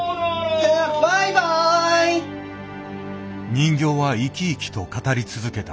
人形は生き生きと語り続けた。